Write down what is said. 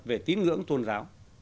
về tín ngưỡng tôn giáo